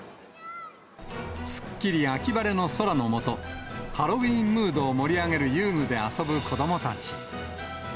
すっきり秋晴れの空の下、ハロウィーンムードを盛り上げる遊具で遊ぶ子どもたち。